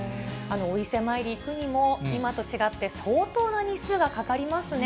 お伊勢参り行くにも、今と違って、相当な日数がかかりますね。